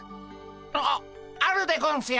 ああるでゴンスよ。